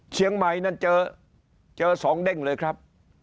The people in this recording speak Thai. เชียงใหม่นั้นเจอ๒เด้งเลยครับ